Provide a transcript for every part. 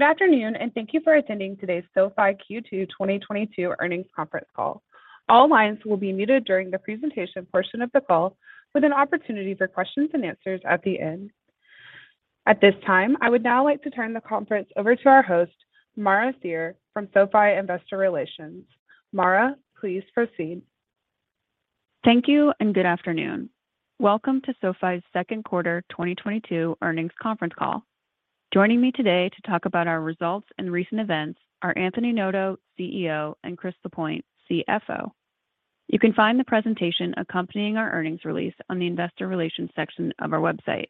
Good afternoon, and thank you for attending today's SoFi Q2 2022 Earnings Conference Call. All lines will be muted during the presentation portion of the call, with an opportunity for questions and answers at the end. At this time, I would now like to turn the conference over to our host, Maura Cyr from SoFi Investor Relations. Maura, please proceed. Thank you, and good afternoon. Welcome to SoFi's second quarter 2022 earnings conference call. Joining me today to talk about our results and recent events are Anthony Noto, CEO, and Chris Lapointe, CFO. You can find the presentation accompanying our earnings release on the investor relations section of our website.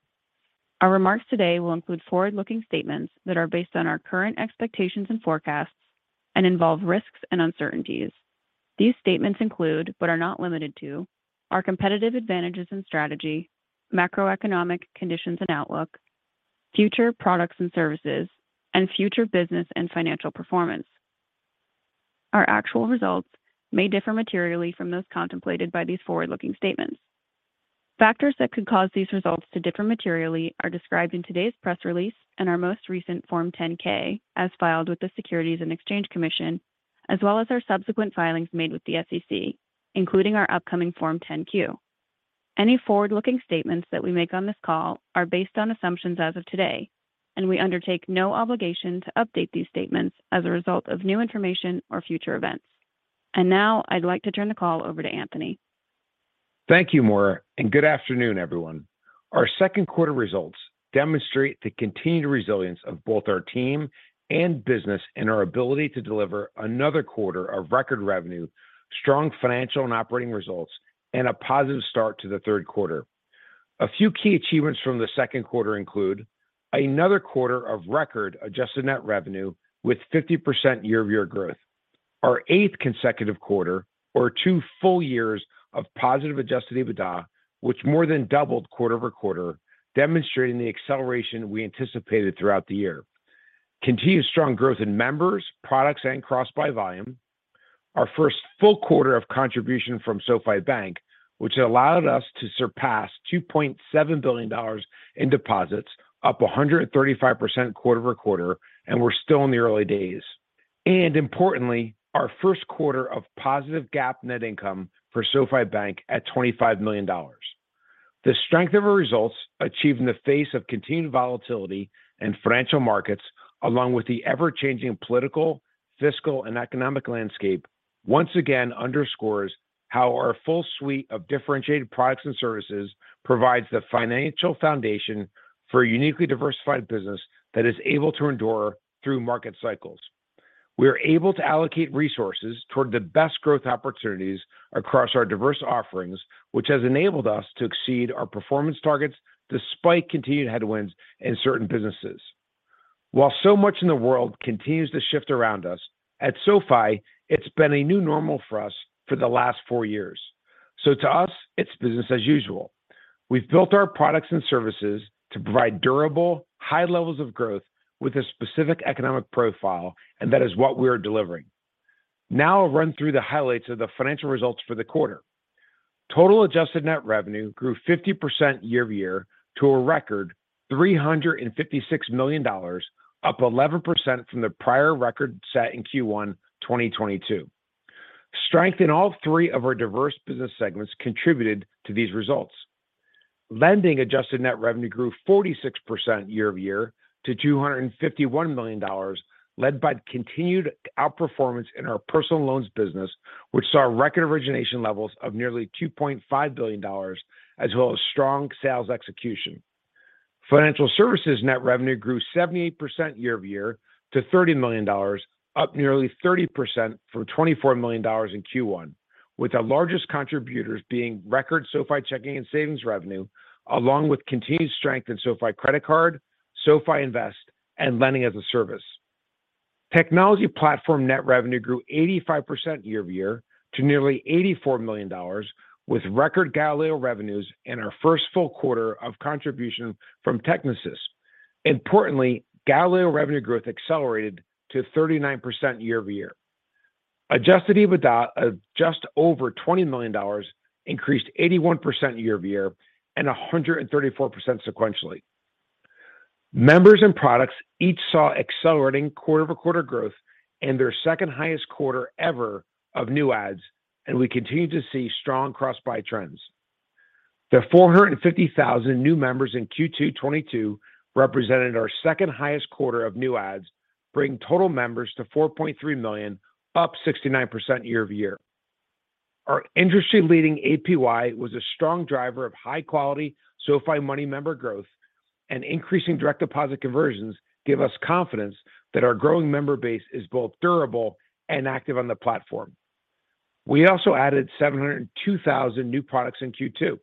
Our remarks today will include forward-looking statements that are based on our current expectations and forecasts and involve risks and uncertainties. These statements include, but are not limited to, our competitive advantages and strategy, macroeconomic conditions and outlook, future products and services, and future business and financial performance. Our actual results may differ materially from those contemplated by these forward-looking statements. Factors that could cause these results to differ materially are described in today's press release and our most recent Form 10-K as filed with the Securities and Exchange Commission, as well as our subsequent filings made with the SEC, including our upcoming Form 10-Q. Any forward-looking statements that we make on this call are based on assumptions as of today, and we undertake no obligation to update these statements as a result of new information or future events. Now I'd like to turn the call over to Anthony. Thank you, Maura, and good afternoon, everyone. Our second quarter results demonstrate the continued resilience of both our team and business and our ability to deliver another quarter of record revenue, strong financial and operating results, and a positive start to the third quarter. A few key achievements from the second quarter include another quarter of record adjusted net revenue with 50% year-over-year growth. Our eighth consecutive quarter or two full years of positive adjusted EBITDA, which more than doubled quarter-over-quarter, demonstrating the acceleration we anticipated throughout the year. Continued strong growth in members, products, and cross-buy volume. Our first full quarter of contribution from SoFi Bank, which allowed us to surpass $2.7 billion in deposits, up 135% quarter-over-quarter, and we're still in the early days. Importantly, our first quarter of positive GAAP net income for SoFi Bank at $25 million. The strength of our results achieved in the face of continued volatility in financial markets, along with the ever-changing political, fiscal, and economic landscape, once again underscores how our full suite of differentiated products and services provides the financial foundation for a uniquely diversified business that is able to endure through market cycles. We are able to allocate resources toward the best growth opportunities across our diverse offerings, which has enabled us to exceed our performance targets despite continued headwinds in certain businesses. While so much in the world continues to shift around us, at SoFi, it's been a new normal for us for the last four years. To us, it's business as usual. We've built our products and services to provide durable, high levels of growth with a specific economic profile, and that is what we are delivering. Now I'll run through the highlights of the financial results for the quarter. Total adjusted net revenue grew 50% year-over-year to a record $356 million, up 11% from the prior record set in Q1 2022. Strength in all three of our diverse business segments contributed to these results. Lending adjusted net revenue grew 46% year-over-year to $251 million, led by continued outperformance in our personal loans business, which saw record origination levels of nearly $2.5 billion as well as strong sales execution. Financial Services net revenue grew 78% year-over-year to $30 million, up nearly 30% from $24 million in Q1, with our largest contributors being record SoFi Checking and Savings revenue, along with continued strength in SoFi Credit Card, SoFi Invest, and lending-as-a-service. Technology Platform net revenue grew 85% year-over-year to nearly $84 million, with record Galileo revenues and our first full quarter of contribution from Technisys. Importantly, Galileo revenue growth accelerated to 39% year-over-year. Adjusted EBITDA of just over $20 million increased 81% year-over-year and 134% sequentially. Members and products each saw accelerating quarter-over-quarter growth and their second-highest quarter ever of new adds, and we continue to see strong cross-buy trends. The 450,000 new members in Q2 2022 represented our second-highest quarter of new adds, bringing total members to 4.3 million, up 69% year-over-year. Our industry-leading APY was a strong driver of high-quality SoFi Money member growth, and increasing direct deposit conversions give us confidence that our growing member base is both durable and active on the platform. We also added 702,000 new products in Q2.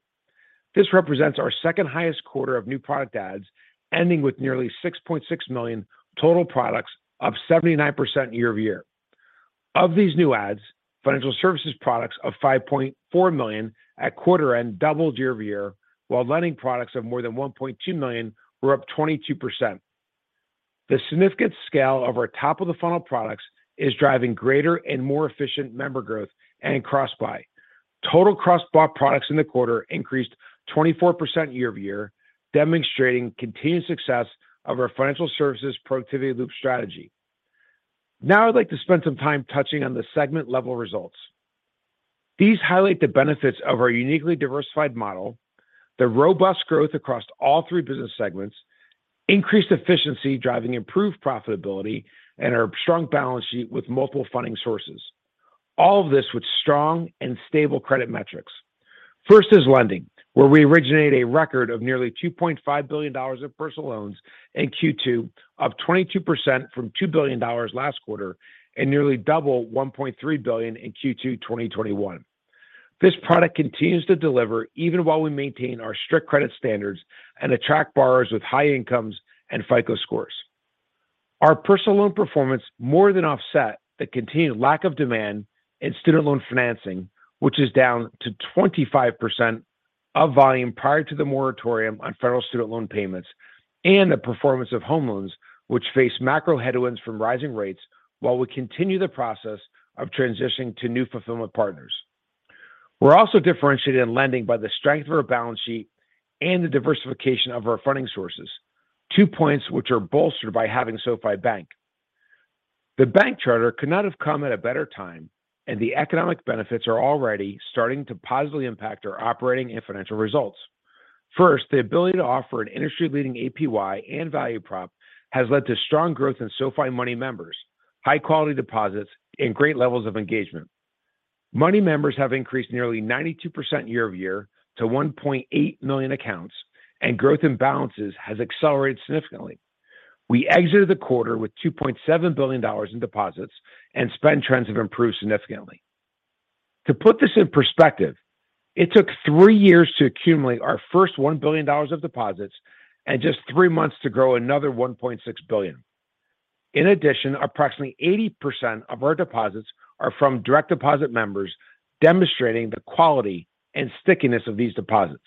This represents our second-highest quarter of new product adds, ending with nearly 6.6 million total products, up 79% year-over-year. Of these new adds, Financial Services products of 5.4 million at quarter end doubled year-over-year, while Lending products of more than 1.2 million were up 22%. The significant scale of our top-of-the-funnel products is driving greater and more efficient member growth and cross-buy. Total cross-bought products in the quarter increased 24% year-over-year, demonstrating continued success of our Financial Services productivity loop strategy. Now, I'd like to spend some time touching on the segment-level results. These highlight the benefits of our uniquely diversified model, the robust growth across all three business segments, increased efficiency driving improved profitability, and our strong balance sheet with multiple funding sources. All of this with strong and stable credit metrics. First is Lending, where we originate a record of nearly $2.5 billion of personal loans in Q2, up 22% from $2 billion last quarter, and nearly double $1.3 billion in Q2 2021. This product continues to deliver even while we maintain our strict credit standards and attract borrowers with high incomes and FICO scores. Our personal loan performance more than offset the continued lack of demand in student loan financing, which is down to 25% of volume prior to the moratorium on federal student loan payments and the performance of home loans, which face macro headwinds from rising rates while we continue the process of transitioning to new fulfillment partners. We're also differentiated in Lending by the strength of our balance sheet and the diversification of our funding sources. Two points which are bolstered by having SoFi Bank. The bank charter could not have come at a better time, and the economic benefits are already starting to positively impact our operating and financial results. First, the ability to offer an industry-leading APY and value prop has led to strong growth in SoFi Money members, high-quality deposits, and great levels of engagement. Money members have increased nearly 92% year-over-year to 1.8 million accounts, and growth in balances has accelerated significantly. We exited the quarter with $2.7 billion in deposits, and spend trends have improved significantly. To put this in perspective, it took three years to accumulate our first $1 billion of deposits and just three months to grow another $1.6 billion. In addition, approximately 80% of our deposits are from direct deposit members, demonstrating the quality and stickiness of these deposits.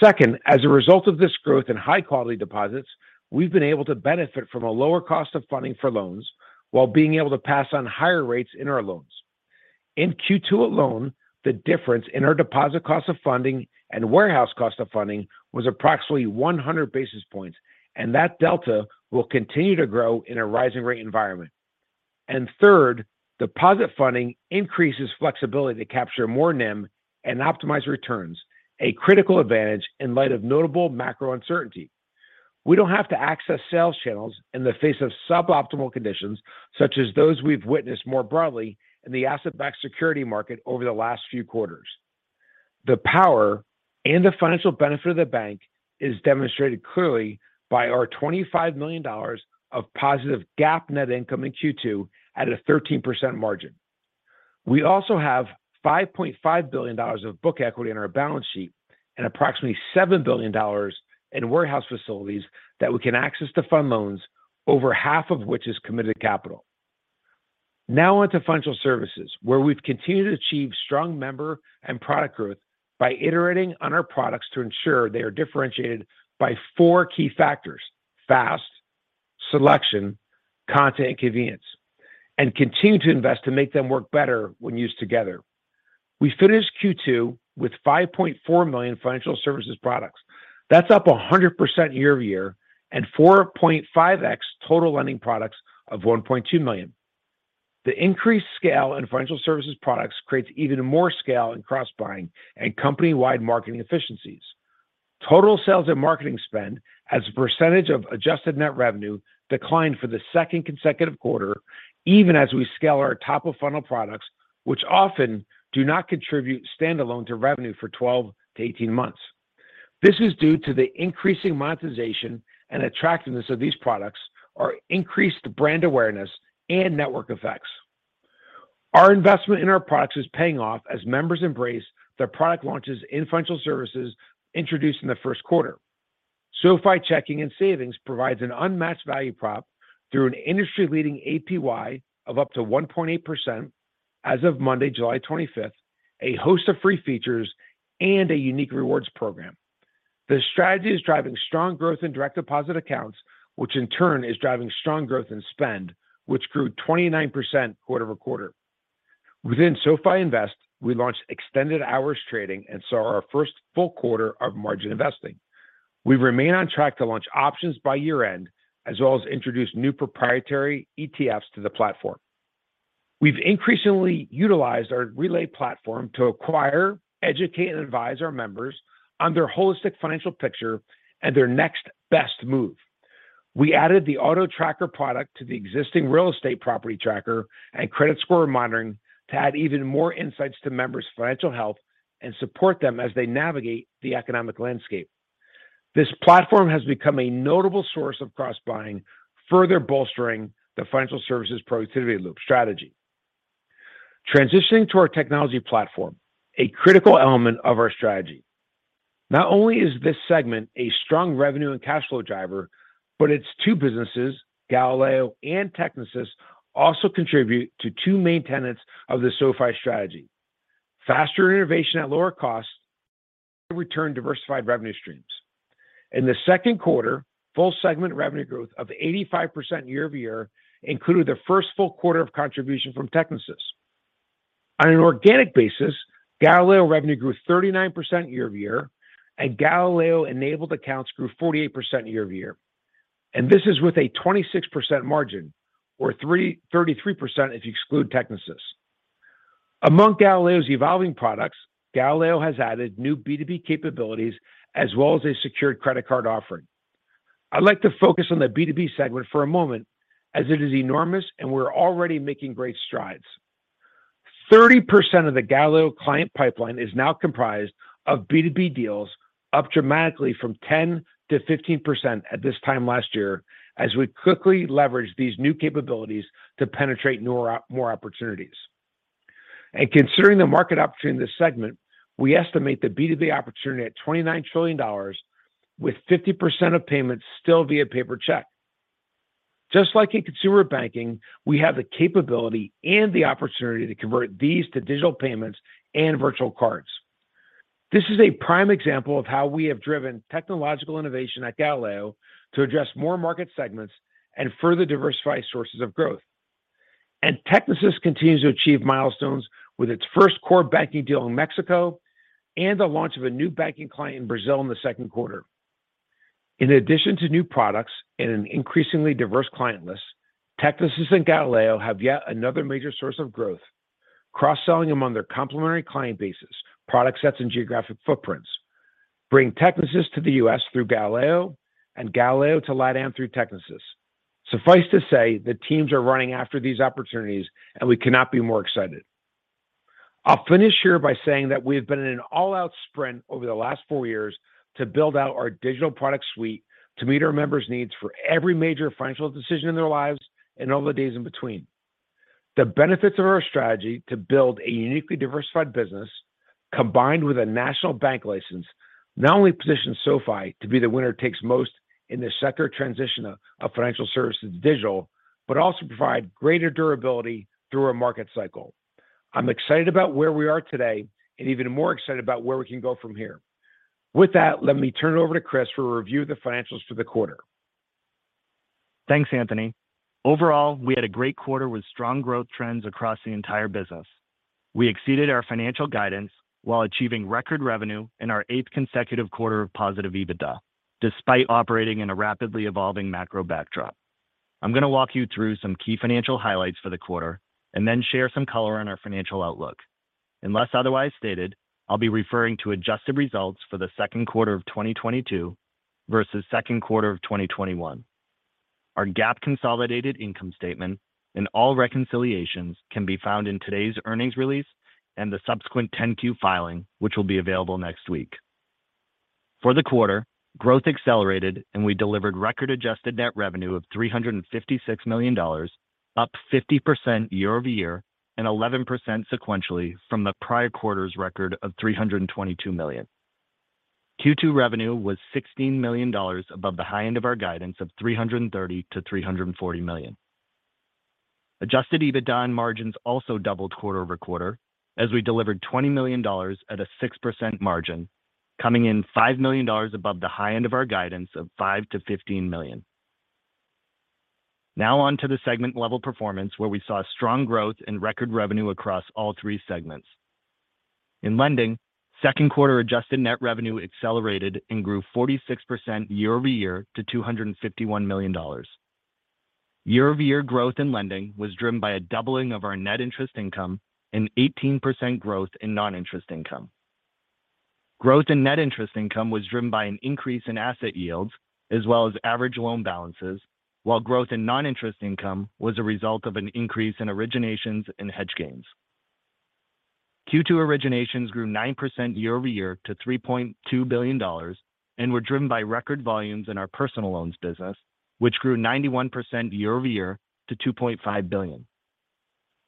Second, as a result of this growth in high-quality deposits, we've been able to benefit from a lower cost of funding for loans while being able to pass on higher rates in our loans. In Q2 alone, the difference in our deposit cost of funding and warehouse cost of funding was approximately 100 basis points, and that delta will continue to grow in a rising rate environment. Third, deposit funding increases flexibility to capture more NIM and optimize returns, a critical advantage in light of notable macro uncertainty. We don't have to access sales channels in the face of suboptimal conditions, such as those we've witnessed more broadly in the asset-backed security market over the last few quarters. The power and the financial benefit of the bank is demonstrated clearly by our $25 million of positive GAAP net income in Q2 at a 13% margin. We also have $5.5 billion of book equity on our balance sheet and approximately $7 billion in warehouse facilities that we can access to fund loans, over half of which is committed capital. Now on to Financial Services, where we've continued to achieve strong member and product growth by iterating on our products to ensure they are differentiated by four key factors, fast, selection, content, and convenience, and continue to invest to make them work better when used together. We finished Q2 with 5.4 million Financial Services products. That's up 100% year-over-year and 4.5x total Lending products of 1.2 million. The increased scale in Financial Services products creates even more scale in cross-buying and company-wide marketing efficiencies. Total sales and marketing spend as a percentage of adjusted net revenue declined for the second consecutive quarter, even as we scale our top-of-funnel products, which often do not contribute standalone to revenue for 12-18 months. This is due to the increasing monetization and attractiveness of these products or increased brand awareness and network effects. Our investment in our products is paying off as members embrace the product launches in Financial Services introduced in the first quarter. SoFi Checking and Savings provides an unmatched value prop through an industry-leading APY of up to 1.8% as of Monday, July 25th, a host of free features, and a unique rewards program. The strategy is driving strong growth in direct deposit accounts, which in turn is driving strong growth in spend, which grew 29% quarter-over-quarter. Within SoFi Invest, we launched extended hours trading and saw our first full quarter of margin investing. We remain on track to launch options by year-end, as well as introduce new proprietary ETFs to the platform. We've increasingly utilized our Relay platform to acquire, educate, and advise our members on their holistic financial picture and their next best move. We added the auto tracker product to the existing real estate property tracker and credit score monitoring to add even more insights to members' financial health and support them as they navigate the economic landscape. This platform has become a notable source of cross-buying, further bolstering the Financial Services productivity loop strategy. Transitioning to our Technology Platform, a critical element of our strategy. Not only is this segment a strong revenue and cash flow driver, but its two businesses, Galileo and Technisys, also contribute to two main tenets of the SoFi strategy, faster innovation at lower cost, return diversified revenue streams. In the second quarter, full segment revenue growth of 85% year-over-year included the first full quarter of contribution from Technisys. On an organic basis, Galileo revenue grew 39% year-over-year, and Galileo-enabled accounts grew 48% year-over-year. This is with a 26% margin, or 33% if you exclude Technisys. Among Galileo's evolving products, Galileo has added new B2B capabilities as well as a secured credit card offering. I'd like to focus on the B2B segment for a moment as it is enormous, and we're already making great strides. 30% of the Galileo client pipeline is now comprised of B2B deals, up dramatically from 10%-15% at this time last year as we quickly leverage these new capabilities to penetrate more opportunities. Considering the market opportunity in this segment, we estimate the B2B opportunity at $29 trillion with 50% of payments still via paper check. Just like in consumer banking, we have the capability and the opportunity to convert these to digital payments and virtual cards. This is a prime example of how we have driven technological innovation at Galileo to address more market segments and further diversify sources of growth. Technisys continues to achieve milestones with its first core banking deal in Mexico and the launch of a new banking client in Brazil in the second quarter. In addition to new products and an increasingly diverse client list, Technisys and Galileo have yet another major source of growth, cross-selling among their complementary client bases, product sets, and geographic footprints. Bring Technisys to the U.S. through Galileo and Galileo to LATAM through Technisys. Suffice to say, the teams are running after these opportunities, and we cannot be more excited. I'll finish here by saying that we have been in an all-out sprint over the last four years to build out our digital product suite to meet our members' needs for every major financial decision in their lives and all the days in between. The benefits of our strategy to build a uniquely diversified business combined with a national bank license not only positions SoFi to be the winner takes most in the sector transition of Financial Services to digital but also provide greater durability through a market cycle. I'm excited about where we are today and even more excited about where we can go from here. With that, let me turn it over to Chris for a review of the financials for the quarter. Thanks, Anthony. Overall, we had a great quarter with strong growth trends across the entire business. We exceeded our financial guidance while achieving record revenue in our eighth consecutive quarter of positive EBITDA, despite operating in a rapidly evolving macro backdrop. I'm gonna walk you through some key financial highlights for the quarter and then share some color on our financial outlook. Unless otherwise stated, I'll be referring to adjusted results for the second quarter of 2022 versus second quarter of 2021. Our GAAP consolidated income statement and all reconciliations can be found in today's earnings release and the subsequent 10-Q filing, which will be available next week. For the quarter, growth accelerated, and we delivered record-adjusted net revenue of $356 million, up 50% year-over-year and 11% sequentially from the prior quarter's record of $322 million. Q2 revenue was $16 million above the high end of our guidance of $330 million-$340 million. Adjusted EBITDA margins also doubled quarter-over-quarter as we delivered $20 million at a 6% margin, coming in $5 million above the high end of our guidance of $5 million-$15 million. Now on to the segment-level performance, where we saw strong growth and record revenue across all three segments. In Lending, second quarter adjusted net revenue accelerated and grew 46% year-over-year to $251 million. Year-over-year growth in Lending was driven by a doubling of our net interest income and 18% growth in non-interest income. Growth in net interest income was driven by an increase in asset yields as well as average loan balances, while growth in non-interest income was a result of an increase in originations and hedge gains. Q2 originations grew 9% year-over-year to $3.2 billion and were driven by record volumes in our personal loans business, which grew 91% year-over-year to $2.5 billion.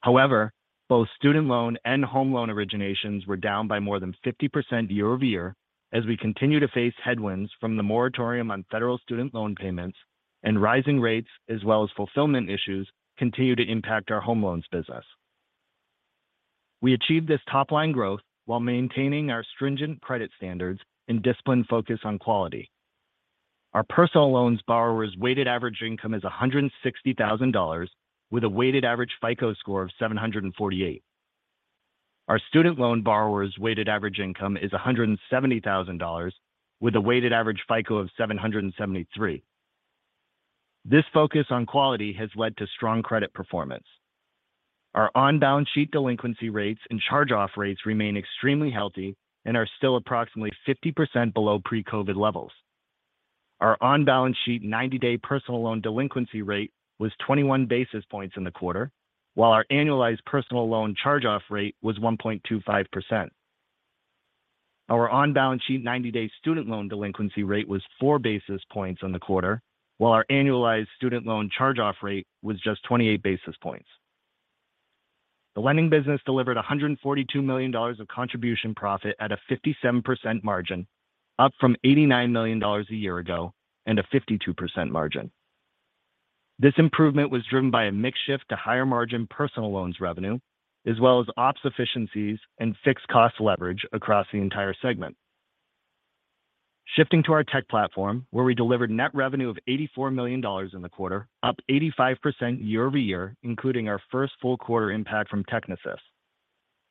However, both student loan and home loan originations were down by more than 50% year-over-year as we continue to face headwinds from the moratorium on federal student loan payments and rising rates as well as fulfillment issues continue to impact our home loans business. We achieved this top-line growth while maintaining our stringent credit standards and disciplined focus on quality. Our personal loans borrowers' weighted average income is $160,000 with a weighted average FICO score of 748. Our student loan borrowers' weighted average income is $170,000 with a weighted average FICO of 773. This focus on quality has led to strong credit performance. Our on-balance sheet delinquency rates and charge-off rates remain extremely healthy and are still approximately 50% below pre-COVID levels. Our on-balance sheet 90-day personal loan delinquency rate was 21 basis points in the quarter, while our annualized personal loan charge-off rate was 1.25%. Our on-balance sheet 90-day student loan delinquency rate was 4 basis points in the quarter, while our annualized student loan charge-off rate was just 28 basis points. The Lending business delivered $142 million of contribution profit at a 57% margin, up from $89 million a year ago and a 52% margin. This improvement was driven by a mix shift to higher margin personal loans revenue, as well as ops efficiencies and fixed cost leverage across the entire segment. Shifting to our Tech Platform, where we delivered net revenue of $84 million in the quarter, up 85% year-over-year, including our first full quarter impact from Technisys.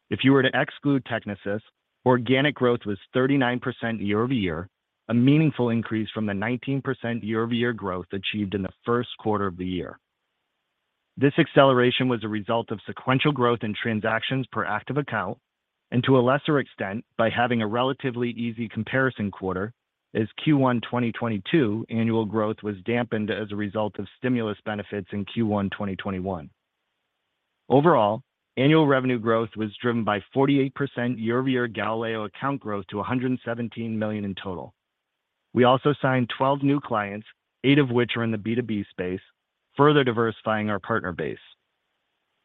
If you were to exclude Technisys, organic growth was 39% year-over-year, a meaningful increase from the 19% year-over-year growth achieved in the first quarter of the year. This acceleration was a result of sequential growth in transactions per active account and to a lesser extent, by having a relatively easy comparison quarter as Q1 2022 annual growth was dampened as a result of stimulus benefits in Q1 2021. Overall, annual revenue growth was driven by 48% year-over-year Galileo account growth to 117 million in total. We also signed 12 new clients, eight of which are in the B2B space, further diversifying our partner base.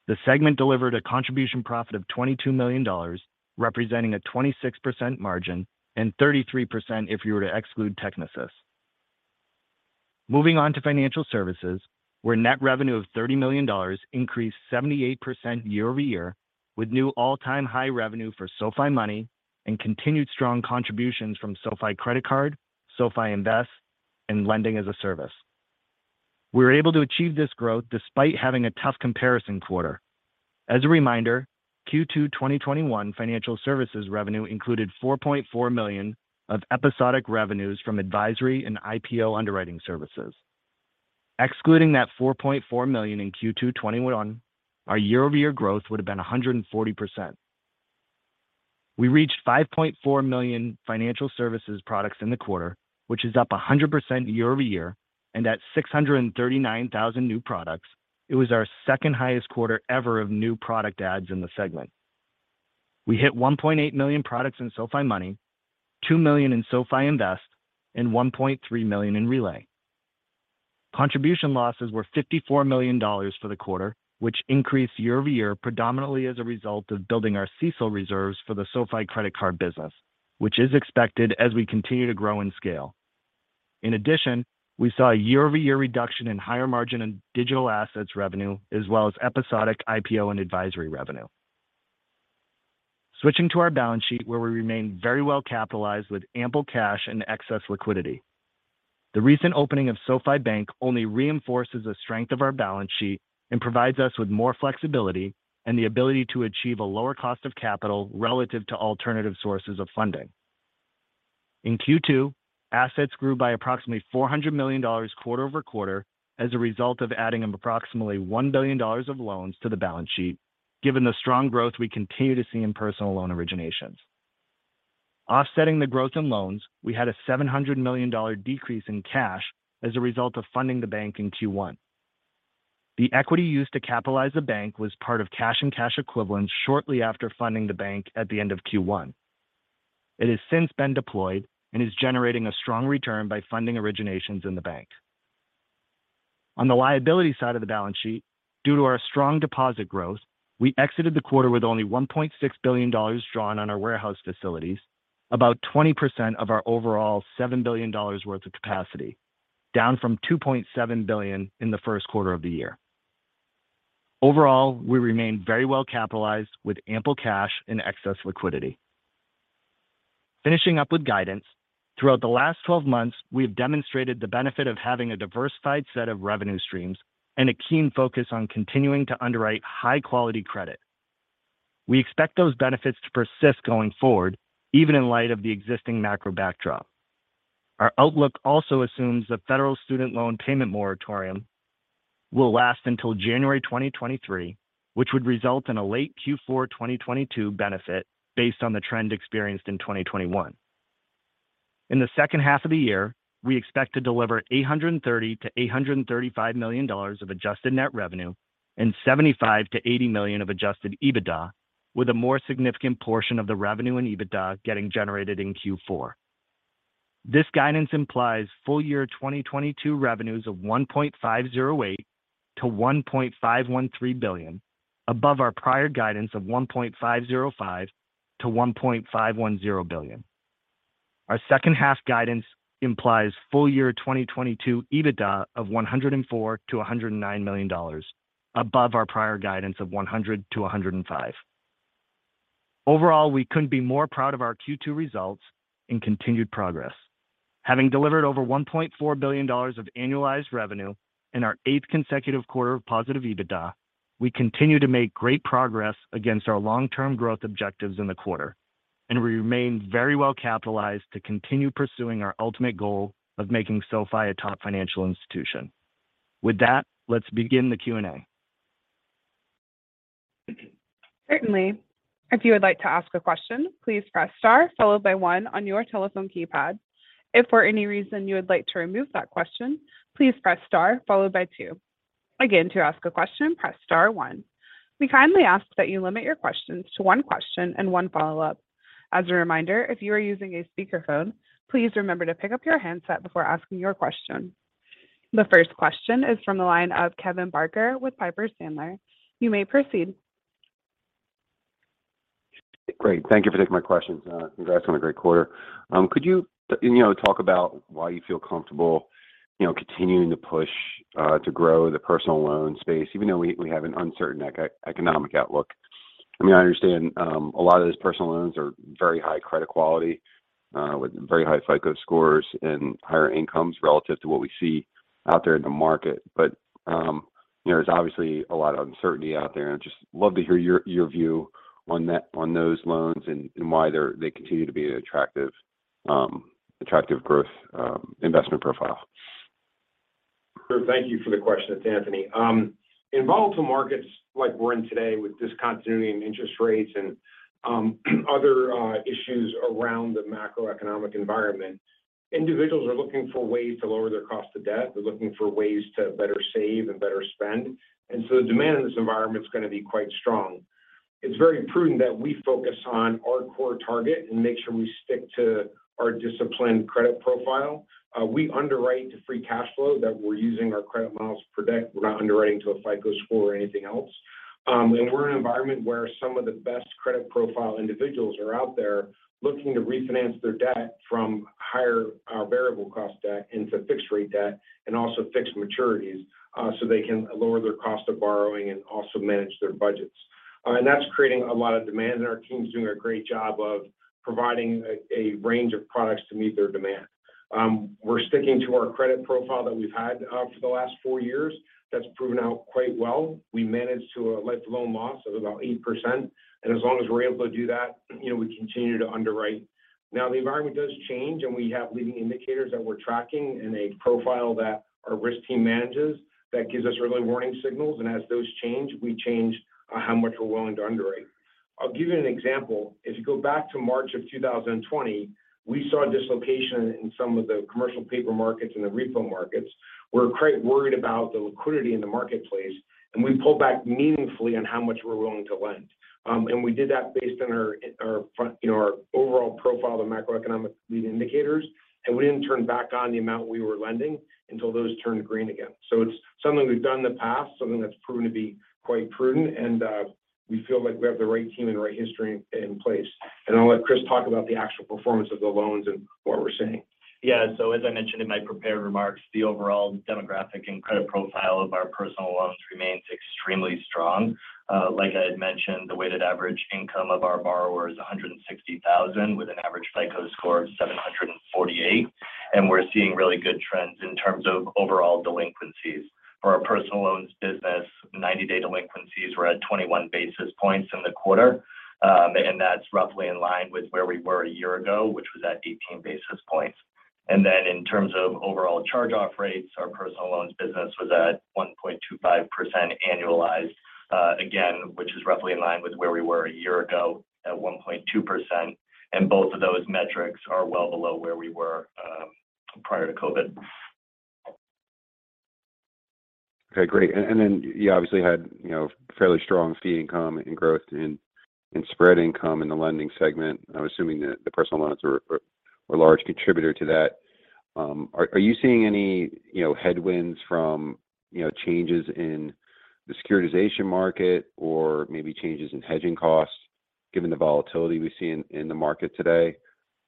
The segment delivered a contribution profit of $22 million, representing a 26% margin and 33% if we were to exclude Technisys. Moving on to Financial Services, where net revenue of $30 million increased 78% year-over-year with new all-time high revenue for SoFi Money and continued strong contributions from SoFi Credit Card, SoFi Invest and lending-as-a-service. We were able to achieve this growth despite having a tough comparison quarter. As a reminder, Q2 2021 Financial Services revenue included $4.4 million of episodic revenues from advisory and IPO underwriting services. Excluding that $4.4 million in Q2 2021, our year-over-year growth would have been 140%. We reached 5.4 million Financial Services products in the quarter, which is up 100% year-over-year and at 639,000 new products, it was our second-highest quarter ever of new product adds in the segment. We hit 1.8 million products in SoFi Money, 2 million in SoFi Invest and 1.3 million in Relay. Contribution losses were $54 million for the quarter, which increased year-over-year predominantly as a result of building our CECL reserves for the SoFi Credit Card business, which is expected as we continue to grow and scale. In addition, we saw a year-over-year reduction in higher margin in digital assets revenue, as well as episodic IPO and advisory revenue. Switching to our balance sheet, where we remain very well capitalized with ample cash and excess liquidity. The recent opening of SoFi Bank only reinforces the strength of our balance sheet and provides us with more flexibility and the ability to achieve a lower cost of capital relative to alternative sources of funding. In Q2, assets grew by approximately $400 million quarter-over-quarter as a result of adding approximately $1 billion of loans to the balance sheet, given the strong growth we continue to see in personal loan originations. Offsetting the growth in loans, we had a $700 million decrease in cash as a result of funding the bank in Q1. The equity used to capitalize the bank was part of cash and cash equivalents shortly after funding the bank at the end of Q1. It has since been deployed and is generating a strong return by funding originations in the bank. On the liability side of the balance sheet, due to our strong deposit growth, we exited the quarter with only $1.6 billion drawn on our warehouse facilities, about 20% of our overall $7 billion worth of capacity, down from $2.7 billion in the first quarter of the year. Overall, we remain very well capitalized with ample cash and excess liquidity. Finishing up with guidance. Throughout the last 12 months, we have demonstrated the benefit of having a diversified set of revenue streams and a keen focus on continuing to underwrite high-quality credit. We expect those benefits to persist going forward, even in light of the existing macro backdrop. Our outlook also assumes the federal student loan payment moratorium will last until January 2023, which would result in a late Q4 2022 benefit based on the trend experienced in 2021. In the second half of the year, we expect to deliver $830 million-$835 million of adjusted net revenue and $75 million-$80 million of adjusted EBITDA, with a more significant portion of the revenue and EBITDA getting generated in Q4. This guidance implies full year 2022 revenues of $1.508 billion-$1.513 billion above our prior guidance of $1.505 billion-$1.510 billion. Our second half guidance implies full year 2022 EBITDA of $104 million-$109 million above our prior guidance of $100 million-$105 million. Overall, we couldn't be more proud of our Q2 results and continued progress. Having delivered over $1.4 billion of annualized revenue and our eighth consecutive quarter of positive EBITDA, we continue to make great progress against our long-term growth objectives in the quarter and remain very well capitalized to continue pursuing our ultimate goal of making SoFi a top financial institution. With that, let's begin the Q&A. Certainly. If you would like to ask a question, please press star followed by one on your telephone keypad. If for any reason you would like to remove that question, please press star followed by two. Again, to ask a question, press star one. We kindly ask that you limit your questions to one question and one follow-up. As a reminder, if you are using a speakerphone, please remember to pick up your handset before asking your question. The first question is from the line of Kevin Barker with Piper Sandler. You may proceed. Great. Thank you for taking my questions. Congrats on a great quarter. Could you know, talk about why you feel comfortable, you know, continuing to push to grow the personal loan space even though we have an uncertain economic outlook? I mean, I understand a lot of these personal loans are very high credit quality with very high FICO scores and higher incomes relative to what we see out there in the market. But there's obviously a lot of uncertainty out there. I'd just love to hear your view on that, on those loans and why they continue to be an attractive growth investment profile? Sure. Thank you for the question. It's Anthony. In volatile markets like we're in today with discontinuity in interest rates and other issues around the macroeconomic environment, individuals are looking for ways to lower their cost of debt. They're looking for ways to better save and better spend. The demand in this environment's gonna be quite strong. It's very prudent that we focus on our core target and make sure we stick to our disciplined credit profile. We underwrite to free cash flow that we're using our credit models to predict. We're not underwriting to a FICO score or anything else. We're in an environment where some of the best credit profile individuals are out there looking to refinance their debt from higher variable cost debt into fixed rate debt and also fixed maturities, so they can lower their cost of borrowing and also manage their budgets. That's creating a lot of demand, and our team's doing a great job of providing a range of products to meet their demand. We're sticking to our credit profile that we've had for the last four years. That's proven out quite well. We managed to a lifetime loan loss of about 8%, and as long as we're able to do that, you know, we continue to underwrite. The environment does change, and we have leading indicators that we're tracking and a profile that our risk team manages that gives us early warning signals, and as those change, we change how much we're willing to underwrite. I'll give you an example. If you go back to March of 2020, we saw dislocation in some of the commercial paper markets and the repo markets. We were quite worried about the liquidity in the marketplace, and we pulled back meaningfully on how much we're willing to lend. We did that based on our you know, our overall profile of macroeconomic leading indicators, and we didn't turn back on the amount we were Lending until those turned green again. It's something we've done in the past, something that's proven to be quite prudent, and we feel like we have the right team and the right history in place. I'll let Chris talk about the actual performance of the loans and what we're seeing. Yeah. As I mentioned in my prepared remarks, the overall demographic and credit profile of our personal loans remains extremely strong. Like I had mentioned, the weighted average income of our borrower is 160,000 with an average FICO score of 748, and we're seeing really good trends in terms of overall delinquencies. For our personal loans business, 90-day delinquencies were at 21 basis points in the quarter, and that's roughly in line with where we were a year ago, which was at 18 basis points. In terms of overall charge-off rates, our personal loans business was at 1.25% annualized, again, which is roughly in line with where we were a year ago at 1.2%, and both of those metrics are well below where we were prior to COVID. Okay. Great. You obviously had, you know, fairly strong fee income and growth in spread income in the Lending segment. I'm assuming the personal loans were a large contributor to that. Are you seeing any, you know, headwinds from, you know, changes in the securitization market or maybe changes in hedging costs given the volatility we see in the market today?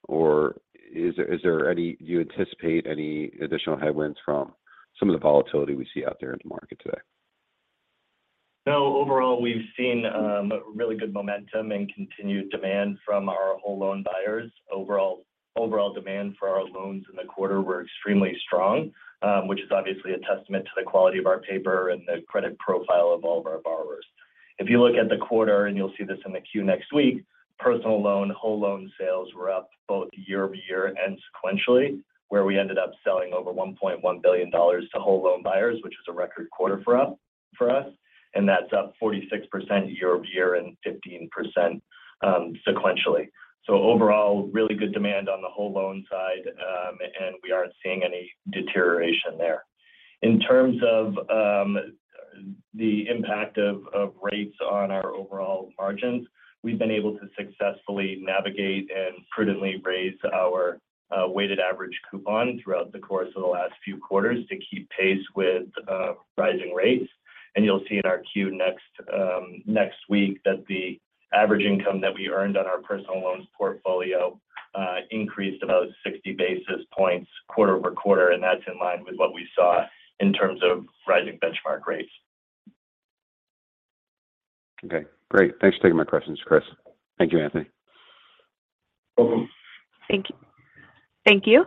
Or is there do you anticipate any additional headwinds from some of the volatility we see out there in the market today? No. Overall, we've seen really good momentum and continued demand from our whole loan buyers. Overall demand for our loans in the quarter were extremely strong, which is obviously a testament to the quality of our paper and the credit profile of all of our borrowers. If you look at the quarter, and you'll see this in the 10-Q next week, personal loan whole loan sales were up both year-over-year and sequentially, where we ended up selling over $1.1 billion to whole loan buyers, which is a record quarter for us, and that's up 46% year-over-year and 15% sequentially. Overall, really good demand on the whole loan side, and we aren't seeing any deterioration there. In terms of the impact of rates on our overall margins, we've been able to successfully navigate and prudently raise our weighted average coupon throughout the course of the last few quarters to keep pace with rising rates. You'll see in our 10-Q next week that the average income that we earned on our personal loans portfolio increased about 60 basis points quarter-over-quarter, and that's in line with what we saw in terms of rising benchmark rates. Okay. Great. Thanks for taking my questions, Chris. Thank you, Anthony. Welcome. Thank you.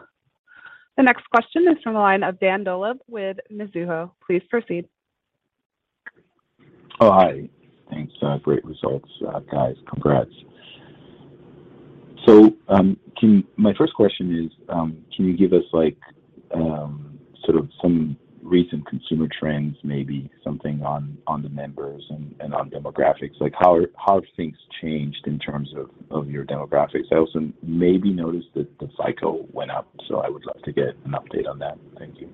The next question is from the line of Dan Dolev with Mizuho. Please proceed. Hi. Thanks. Great results, guys. Congrats. My first question is, can you give us like, sort of some recent consumer trends, maybe something on the members and on demographics? Like, how have things changed in terms of your demographics? I also maybe noticed that the FICO went up, so I would love to get an update on that. Thank you.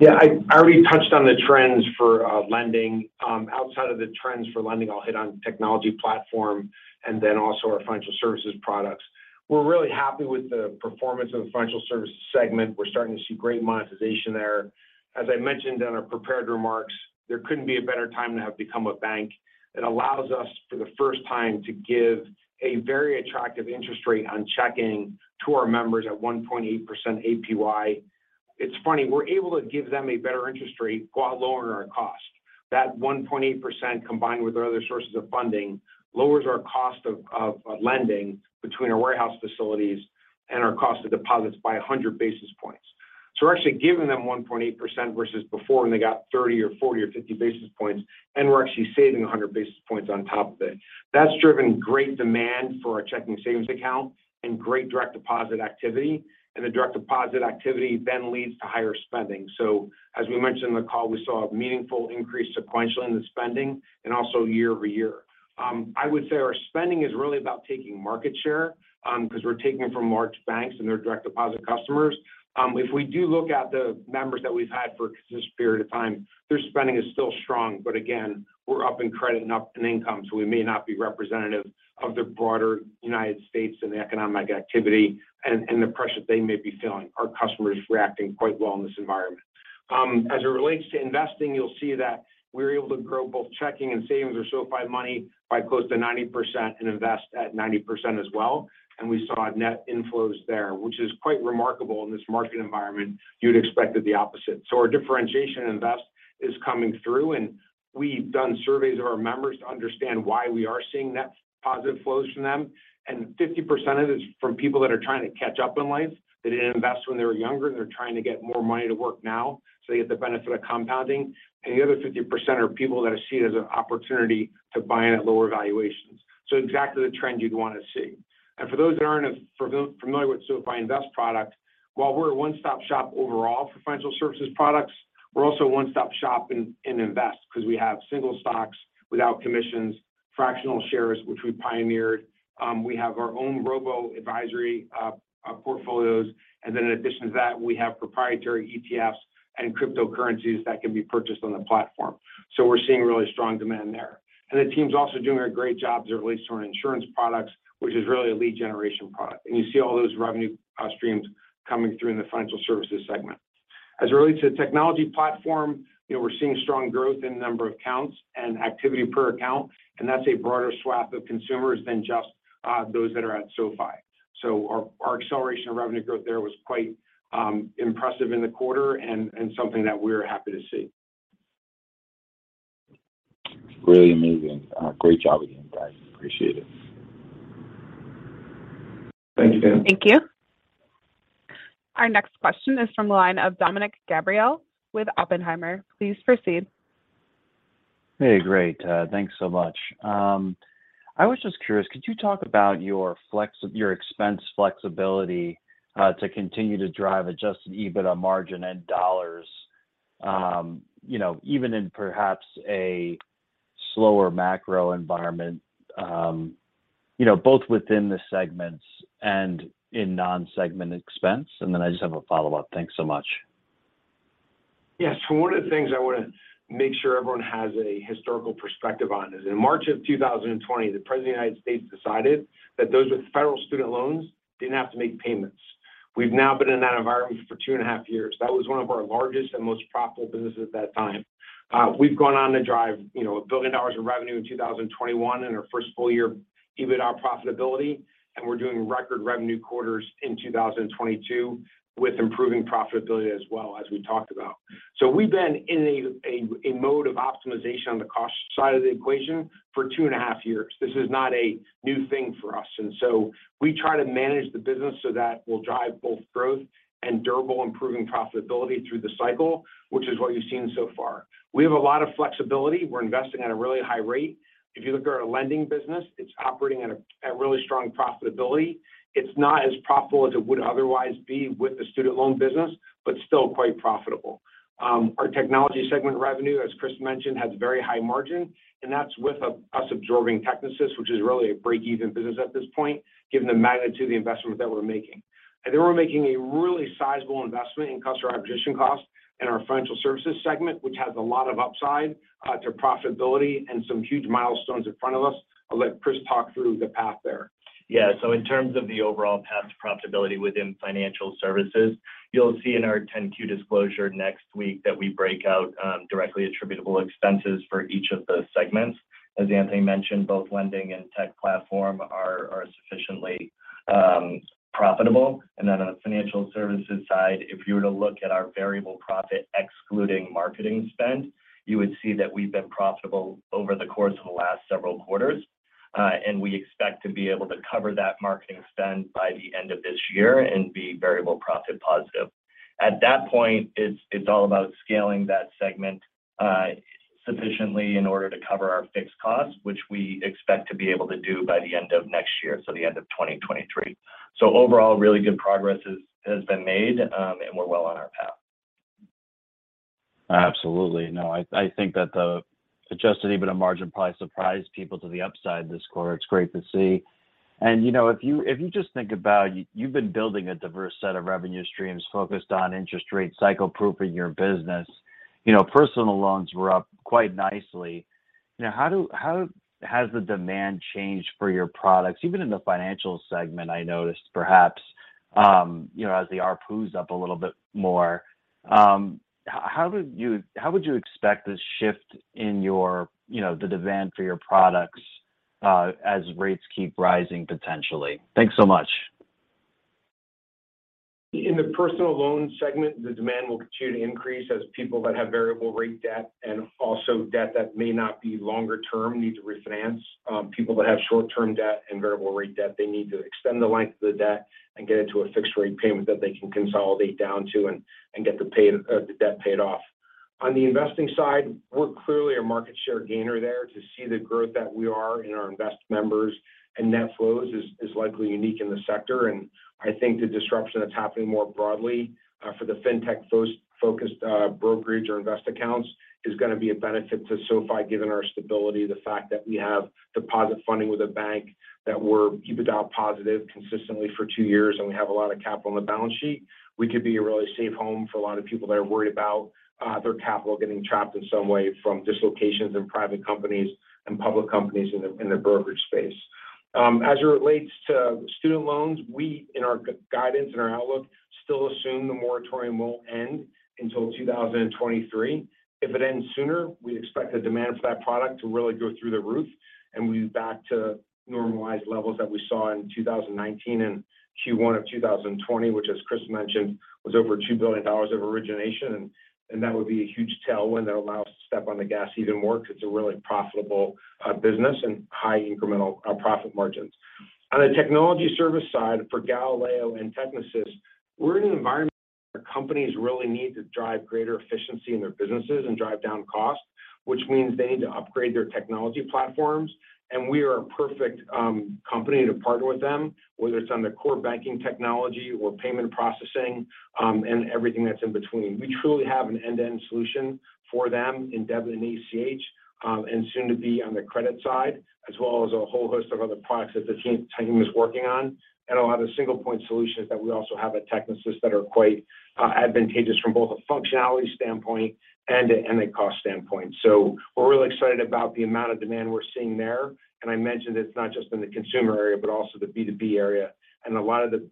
Yeah. I already touched on the trends for Lending. Outside of the trends for Lending, I'll hit on Technology Platform and then also our Financial Services products. We're really happy with the performance of the Financial Services segment. We're starting to see great monetization there. As I mentioned in our prepared remarks, there couldn't be a better time to have become a bank. It allows us, for the first time, to give a very attractive interest rate on checking to our members at 1.8% APY. It's funny, we're able to give them a better interest rate while lowering our cost. That 1.8%, combined with our other sources of funding, lowers our cost of Lending between our warehouse facilities and our cost of deposits by 100 basis points. We're actually giving them 1.8% versus before when they got 30 or 40 or 50 basis points, and we're actually saving 100 basis points on top of it. That's driven great demand for our checking savings account and great direct deposit activity. The direct deposit activity then leads to higher spending. As we mentioned in the call, we saw a meaningful increase sequentially in the spending and also year-over-year. I would say our spending is really about taking market share, 'cause we're taking it from large banks and their direct deposit customers. If we do look at the members that we've had for this period of time, their spending is still strong. Again, we're up in credit and up in income, so we may not be representative of the broader United States and the economic activity and the pressure they may be feeling. Our customers are reacting quite well in this environment. As it relates to investing, you'll see that we're able to grow both checking and savings or SoFi Money by close to 90% and invest that 90% as well. We saw net inflows there, which is quite remarkable in this market environment. You'd expect the opposite. Our differentiation invest is coming through, and we've done surveys of our members to understand why we are seeing net positive flows from them. 50% of it is from people that are trying to catch up in life. They didn't invest when they were younger, and they're trying to get more money to work now, so they get the benefit of compounding. The other 50% are people that see it as an opportunity to buy in at lower valuations. Exactly the trend you'd wanna see. For those that aren't as familiar with SoFi Invest product, while we're a one-stop shop overall for Financial Services products, we're also a one-stop shop in Invest because we have single stocks without commissions, fractional shares, which we pioneered. We have our own robo-advisory portfolios. Then in addition to that, we have proprietary ETFs and cryptocurrencies that can be purchased on the platform. We're seeing really strong demand there. The team's also doing a great job as it relates to our insurance products, which is really a lead generation product. You see all those revenue streams coming through in the Financial Services segment. As it relates to the Technology Platform, you know, we're seeing strong growth in the number of accounts and activity per account, and that's a broader swath of consumers than just those that are at SoFi. Our acceleration of revenue growth there was quite impressive in the quarter and something that we're happy to see. Really amazing. Great job again, guys. Appreciate it. Thank you. Thank you. Our next question is from the line of Dominick Gabriele with Oppenheimer. Please proceed. Hey, great. Thanks so much. I was just curious, could you talk about your expense flexibility to continue to drive adjusted EBITDA margin and dollars, you know, even in perhaps a slower macro environment, you know, both within the segments and in non-segment expense? I just have a follow-up. Thanks so much. Yes. One of the things I wanna make sure everyone has a historical perspective on is in March of 2020, the President of the United States decided that those with federal student loans didn't have to make payments. We've now been in that environment for 2.5 years. That was one of our largest and most profitable businesses at that time. We've gone on to drive, you know, $1 billion in revenue in 2021 and our first full year EBITDA profitability, and we're doing record revenue quarters in 2022 with improving profitability as well, as we talked about. We've been in a mode of optimization on the cost side of the equation for 2.5 years. This is not a new thing for us. We try to manage the business so that we'll drive both growth and durable improving profitability through the cycle, which is what you've seen so far. We have a lot of flexibility. We're investing at a really high rate. If you look at our Lending business, it's operating at really strong profitability. It's not as profitable as it would otherwise be with the student loan business, but still quite profitable. Our technology segment revenue, as Chris mentioned, has very high margin, and that's with us absorbing Technisys, which is really a break-even business at this point, given the magnitude of the investment that we're making. We're making a really sizable investment in customer acquisition costs in our Financial Services segment, which has a lot of upside to profitability and some huge milestones in front of us. I'll let Chris talk through the path there. Yeah. In terms of the overall path to profitability within Financial Services, you'll see in our 10-Q disclosure next week that we break out directly attributable expenses for each of those segments. As Anthony mentioned, both Lending and Tech Platform are sufficiently profitable. Then on the Financial Services side, if you were to look at our variable profit excluding marketing spend, you would see that we've been profitable over the course of the last several quarters. We expect to be able to cover that marketing spend by the end of this year and be variable profit positive. At that point, it's all about scaling that segment sufficiently in order to cover our fixed costs, which we expect to be able to do by the end of next year, so the end of 2023. Overall, really good progress has been made, and we're well on our path. Absolutely. No, I think that the adjusted EBITDA margin probably surprised people to the upside this quarter. It's great to see. You know, if you just think about it, you've been building a diverse set of revenue streams focused on interest rate cycle proofing your business. You know, personal loans were up quite nicely. You know, how has the demand changed for your products? Even in the financial segment, I noticed perhaps, you know, as the ARPU's up a little bit more, how would you expect this shift in your, you know, the demand for your products, as rates keep rising potentially? Thanks so much. In the personal loan segment, the demand will continue to increase as people that have variable rate debt and also debt that may not be longer term need to refinance. People that have short-term debt and variable rate debt, they need to extend the length of the debt and get it to a fixed rate payment that they can consolidate down to and get the debt paid off. On the investing side, we're clearly a market share gainer there. To see the growth that we are in our Invest members and net flows is likely unique in the sector. I think the disruption that's happening more broadly, for the fintech-focused, brokerage or invest accounts is gonna be a benefit to SoFi, given our stability, the fact that we have deposit funding with a bank, that we're EBITDA positive consistently for two years, and we have a lot of capital on the balance sheet. We could be a really safe home for a lot of people that are worried about, their capital getting trapped in some way from dislocations in private companies and public companies in the brokerage space. As it relates to student loans, we, in our guidance and our outlook, still assume the moratorium won't end until 2023. If it ends sooner, we expect the demand for that product to really go through the roof and move back to normalized levels that we saw in 2019 and Q1 of 2020, which as Chris mentioned, was over $2 billion of origination. That would be a huge tailwind that allows us to step on the gas even more because it's a really profitable business and high incremental profit margins. On the technology service side, for Galileo and Technisys, we're in an environment where companies really need to drive greater efficiency in their businesses and drive down costs, which means they need to upgrade their Technology Platforms. We are a perfect company to partner with them, whether it's on the core banking technology or payment processing and everything that's in between. We truly have an end-to-end solution for them in debit and ACH, and soon to be on the credit side, as well as a whole host of other products that the team is working on. It'll have the single point solutions that we also have at Technisys that are quite advantageous from both a functionality standpoint and a cost standpoint. We're really excited about the amount of demand we're seeing there. I mentioned it's not just in the consumer area, but also the B2B area. A lot of the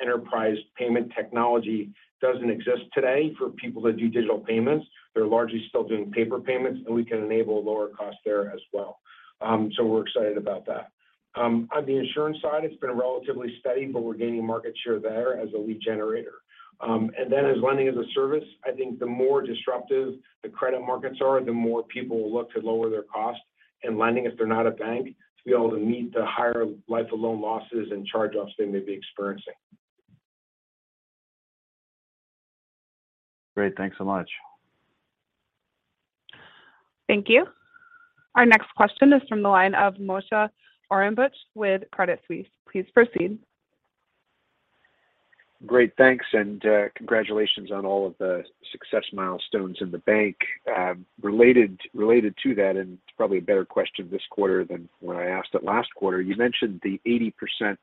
enterprise payment technology doesn't exist today for people that do digital payments. They're largely still doing paper payments, and we can enable lower costs there as well. We're excited about that. On the insurance side, it's been relatively steady, but we're gaining market share there as a lead generator. As lending-as-a-service, I think the more disruptive the credit markets are, the more people will look to lower their costs in Lending if they're not a bank to be able to meet the higher life of loan losses and charge-offs they may be experiencing. Great. Thanks so much. Thank you. Our next question is from the line of Moshe Orenbuch with Credit Suisse. Please proceed. Great. Thanks, congratulations on all of the success milestones in the bank. Related to that, it's probably a better question this quarter than when I asked it last quarter. You mentioned the 80%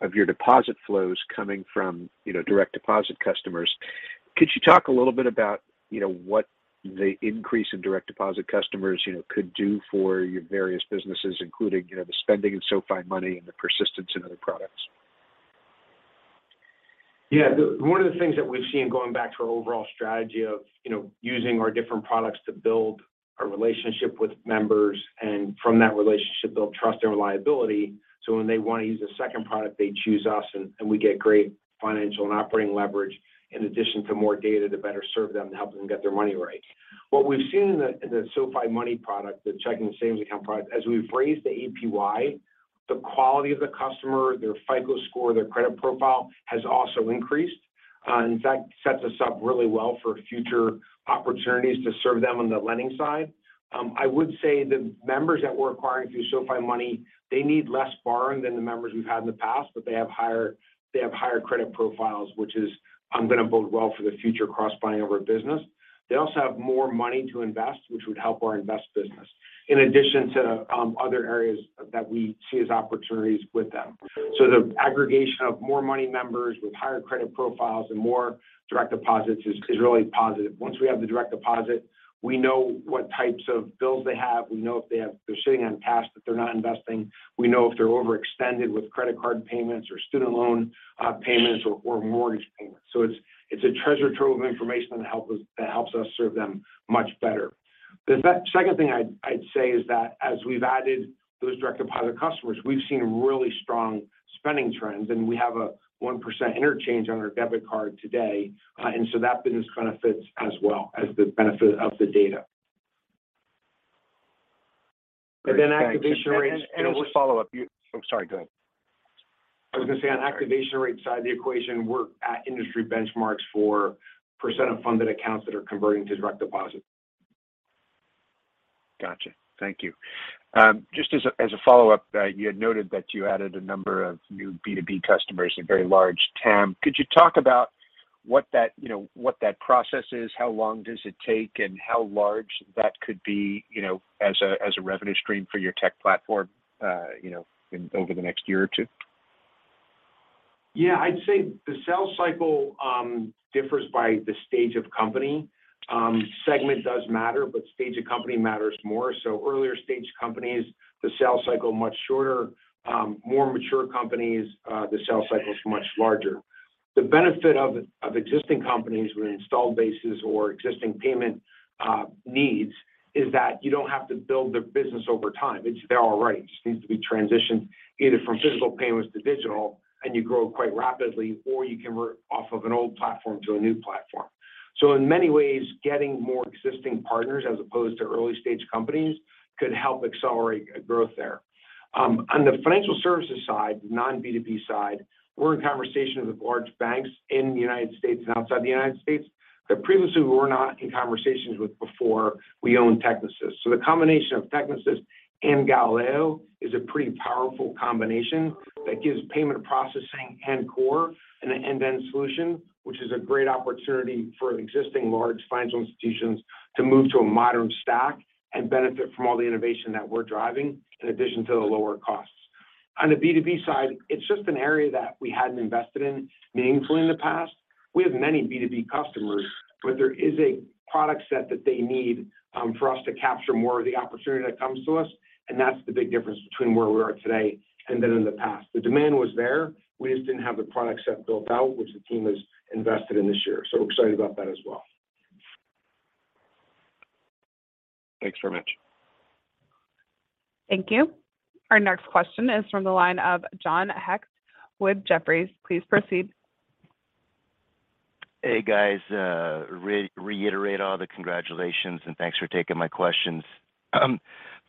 of your deposit flows coming from, you know, direct deposit customers. Could you talk a little bit about, you know, what the increase in direct deposit customers, you know, could do for your various businesses, including, you know, the spending in SoFi Money and the persistence in other products? Yeah. One of the things that we've seen going back to our overall strategy of, you know, using our different products to build a relationship with members and from that relationship build trust and reliability. When they want to use a second product, they choose us, and we get great financial and operating leverage in addition to more data to better serve them and help them get their money right. What we've seen in the SoFi Money product, the checking and savings account product, as we've raised the APY, the quality of the customer, their FICO score, their credit profile has also increased. That sets us up really well for future opportunities to serve them on the Lending side. I would say the members that we're acquiring through SoFi Money, they need less borrowing than the members we've had in the past, but they have higher credit profiles, which is going to bode well for the future cross-buying of our business. They also have more money to invest, which would help our invest business, in addition to other areas that we see as opportunities with them. The aggregation of more money members with higher credit profiles and more direct deposits is really positive. Once we have the direct deposit, we know what types of bills they have. We know if they're sitting on cash that they're not investing. We know if they're overextended with credit card payments or student loan payments or mortgage payments. It's a treasure trove of information that helps us serve them much better. The second thing I'd say is that as we've added those direct deposit customers, we've seen really strong spending trends, and we have a 1% interchange on our debit card today. That business benefits as well as the benefit of the data. Activation rates Just a follow-up. I'm sorry, go ahead. I was gonna say on activation rate side of the equation, we're at industry benchmarks for percent of funded accounts that are converting to direct deposit. Gotcha. Thank you. Just as a follow-up, you had noted that you added a number of new B2B customers, a very large TAM. Could you talk about what that, you know, what that process is? How long does it take, and how large that could be, you know, as a revenue stream for your Tech Platform, you know, over the next year or two? Yeah, I'd say the sales cycle differs by the stage of company. Segment does matter, but stage of company matters more. Earlier stage companies, the sales cycle much shorter. More mature companies, the sales cycle is much larger. The benefit of existing companies with installed bases or existing payment needs is that you don't have to build their business over time. It's there already. It just needs to be transitioned either from physical payments to digital, and you grow quite rapidly, or you convert off of an old platform to a new platform. In many ways, getting more existing partners as opposed to early-stage companies could help accelerate growth there. On the Financial Services side, non-B2B side, we're in conversations with large banks in the United States and outside the United States that previously we were not in conversations with before we owned Technisys. The combination of Technisys and Galileo is a pretty powerful combination that gives payment processing and core an end-to-end solution, which is a great opportunity for existing large financial institutions to move to a modern stack and benefit from all the innovation that we're driving in addition to the lower costs. On the B2B side, it's just an area that we hadn't invested in meaningfully in the past. We have many B2B customers, but there is a product set that they need for us to capture more of the opportunity that comes to us, and that's the big difference between where we are today and then in the past. The demand was there. We just didn't have the product set built out, which the team has invested in this year. We're excited about that as well. Thanks very much. Thank you. Our next question is from the line of John Hecht with Jefferies. Please proceed. Hey, guys. Reiterate all the congratulations and thanks for taking my questions.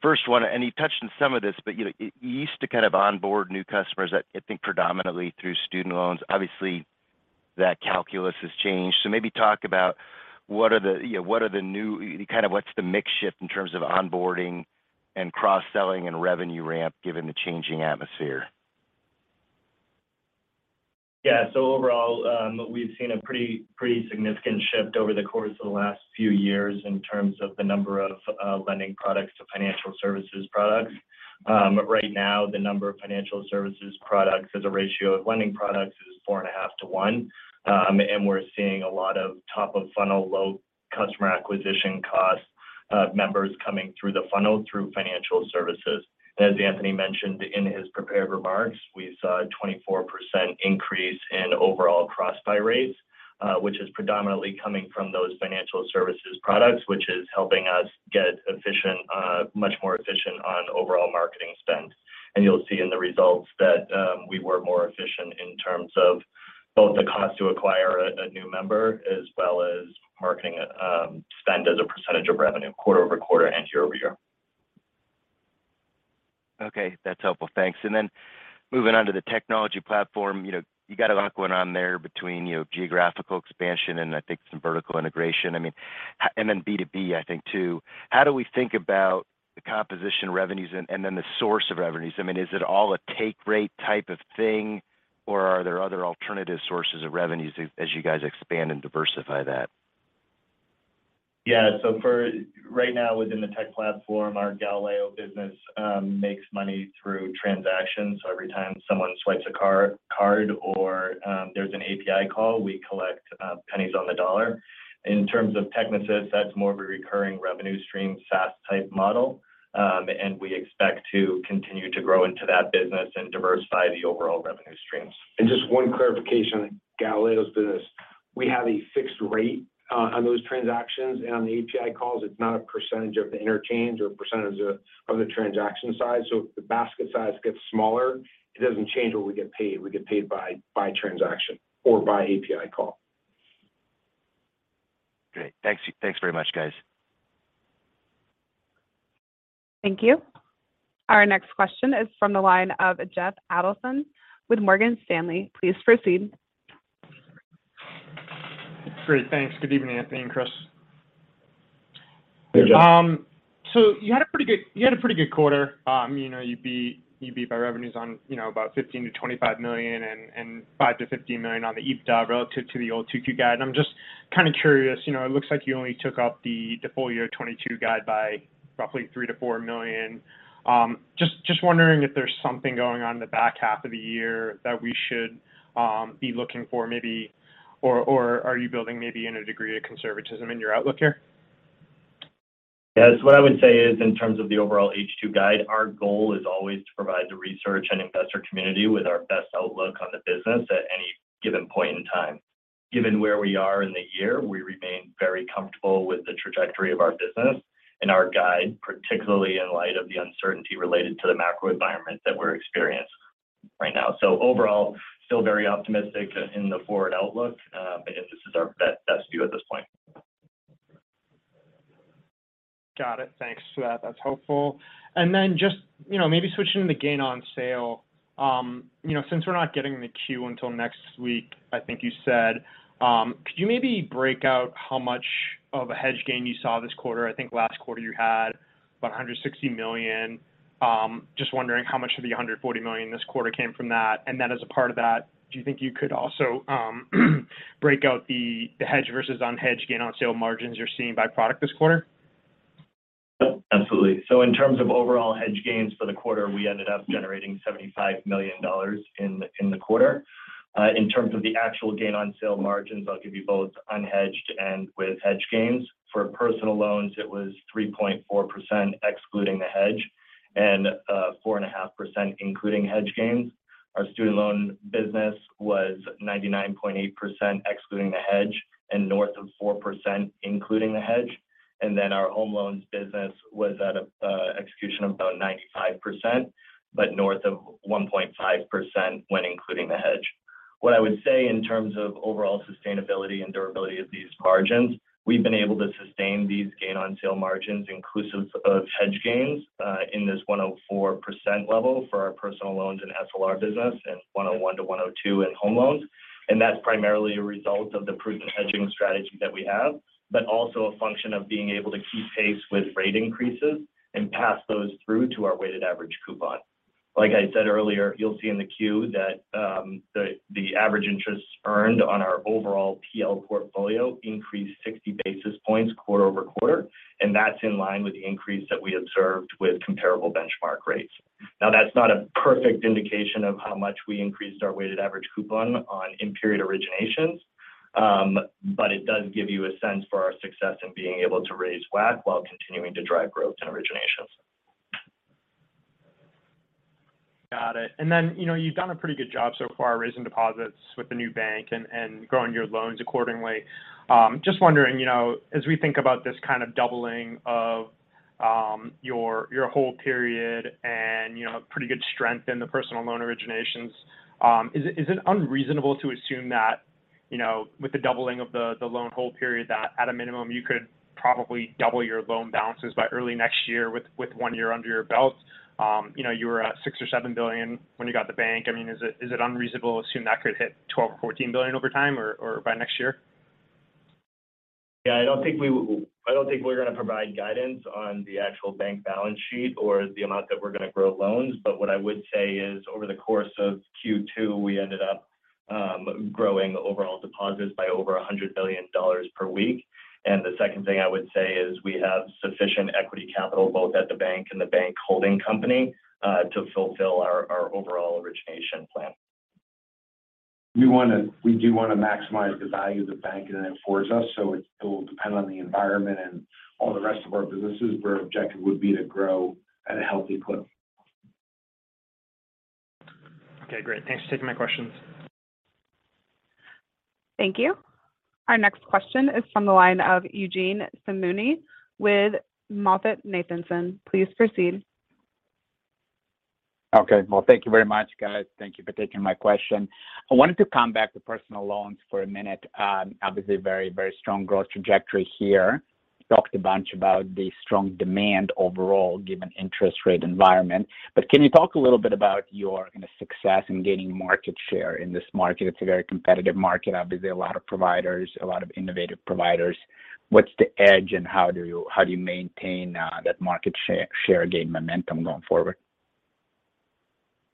First one, you touched on some of this, but you know, you used to kind of onboard new customers I think predominantly through student loans. Obviously, that calculus has changed. Maybe talk about, you know, what are the new kind of what's the mix shift in terms of onboarding and cross-selling and revenue ramp given the changing atmosphere? Yeah. Overall, we've seen a pretty significant shift over the course of the last few years in terms of the number of Lending products to Financial Services products. Right now the number of Financial Services products as a ratio of Lending products is 4.5 to 1. We're seeing a lot of top-of-funnel, low customer acquisition costs, members coming through the funnel through Financial Services. As Anthony mentioned in his prepared remarks, we saw a 24% increase in overall cross-buy rates, which is predominantly coming from those Financial Services products, which is helping us get efficient, much more efficient on overall marketing spend. You'll see in the results that we were more efficient in terms of both the cost to acquire a new member as well as marketing spend as a percentage of revenue quarter-over-quarter and year-over-year. Okay, that's helpful. Thanks. Moving on to the Technology Platform. You know, you got a lot going on there between, you know, geographical expansion and I think some vertical integration. I mean, and then B2B, I think too. How do we think about the composition revenues and then the source of revenues? I mean, is it all a take rate type of thing, or are there other alternative sources of revenues as you guys expand and diversify that? Yeah. For right now within the Tech Platform, our Galileo business makes money through transactions. Every time someone swipes a card or there's an API call, we collect pennies on the dollar. In terms of Technisys, that's more of a recurring revenue stream, SaaS-type model. We expect to continue to grow into that business and diversify the overall revenue streams. Just one clarification on Galileo's business. We have a fixed rate on those transactions and on the API calls. It's not a percentage of the interchange or percentage of the transaction size. If the basket size gets smaller, it doesn't change what we get paid. We get paid by transaction or by API call. Great. Thanks. Thanks very much, guys. Thank you. Our next question is from the line of Jeff Adelson with Morgan Stanley. Please proceed. Great. Thanks. Good evening, Anthony and Chris. Hey, Jeff. You had a pretty good quarter. You know, you beat by revenues on, you know, about $15 million-$25 million and five to $15 million on the EBITDA relative to the old 2022 guide. I'm just kinda curious, you know, it looks like you only took up the full year 2022 guide by roughly $3 million-$4 million? Just wondering if there's something going on in the back half of the year that we should be looking for maybe, or are you building maybe in a degree of conservatism in your outlook here? Yes. What I would say is in terms of the overall H2 guide, our goal is always to provide the research and investor community with our best outlook on the business at any given point in time. Given where we are in the year, we remain very comfortable with the trajectory of our business and our guide, particularly in light of the uncertainty related to the macro environment that we're experiencing right now. Overall, still very optimistic in the forward outlook. Yes, this is our best view at this point. Got it. Thanks for that. That's helpful. Just, you know, maybe switching to the gain on sale. You know, since we're not getting the Q until next week, I think you said, could you maybe break out how much of a hedge gain you saw this quarter? I think last quarter you had about $160 million. Just wondering how much of the $140 million this quarter came from that. As a part of that, do you think you could also break out the hedge versus unhedged gain on sale margins you're seeing by product this quarter? Yep, absolutely. In terms of overall hedge gains for the quarter, we ended up generating $75 million in the quarter. In terms of the actual gain on sale margins, I'll give you both unhedged and with hedge gains. For personal loans, it was 3.4% excluding the hedge and 4.5% including hedge gains. Our student loan business was 99.8% excluding the hedge and north of 4% including the hedge. Our home loans business was at an execution of about 95%, but north of 1.5% when including the hedge. What I would say in terms of overall sustainability and durability of these margins, we've been able to sustain these gain on sale margins inclusive of hedge gains in this 104% level for our personal loans and SLR business, and 101%-102% in home loans. That's primarily a result of the prudent hedging strategy that we have, but also a function of being able to keep pace with rate increases and pass those through to our weighted average coupon. Like I said earlier, you'll see in the Q that the average interests earned on our overall PL portfolio increased 60 basis points quarter-over-quarter, and that's in line with the increase that we observed with comparable benchmark rates. Now, that's not a perfect indication of how much we increased our weighted average coupon on in-period originations, but it does give you a sense for our success in being able to raise WAC while continuing to drive growth and originations. Got it. You know, you've done a pretty good job so far raising deposits with the new bank and growing your loans accordingly. Just wondering, you know, as we think about this kind of doubling of your hold period and, you know, pretty good strength in the personal loan originations, is it unreasonable to assume that, you know, with the doubling of the loan hold period that at a minimum you could probably double your loan balances by early next year with one year under your belt? You know, you were at $6 billion or $7 billion when you got the bank. I mean, is it unreasonable to assume that could hit $12 billion or $14 billion over time or by next year? Yeah. I don't think we're going to provide guidance on the actual bank balance sheet or the amount that we're going to grow loans. What I would say is over the course of Q2, we ended up growing overall deposits by over $100 billion per week. The second thing I would say is we have sufficient equity capital both at the bank and the bank holding company to fulfill our overall origination plan. We do want to maximize the value of the bank and it affords us, so it will depend on the environment and all the rest of our businesses where objective would be to grow at a healthy clip. Okay, great. Thanks for taking my questions. Thank you. Our next question is from the line of Eugene Simuni with MoffettNathanson. Please proceed. Okay. Well, thank you very much, guys. Thank you for taking my question. I wanted to come back to personal loans for a minute. Obviously very, very strong growth trajectory here. Talked a bunch about the strong demand overall given interest rate environment. Can you talk a little bit about your kind of success in gaining market share in this market? It's a very competitive market. Obviously, a lot of providers, a lot of innovative providers. What's the edge and how do you maintain that market share gain momentum going forward?